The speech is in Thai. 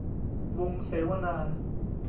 วงเสวนา